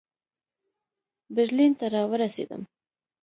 برلین ته را ورسېدم.